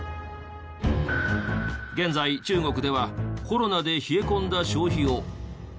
現在中国ではコロナで冷え込んだ消費を。